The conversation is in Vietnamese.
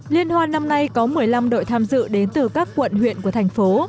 liên hoan năm nay có một mươi năm đội tham dự đến từ các quận huyện của thành phố